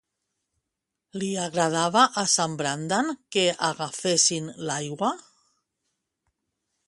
Li agradava a sant Brandan que agafessin l'aigua?